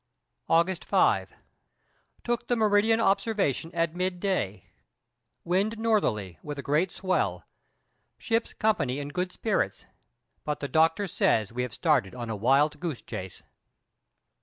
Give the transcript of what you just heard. August 5. Took the meridian observation at midday; wind northerly with a great swell. Ship's company in good spirits: but the doctor says we have started on a wild goose chase.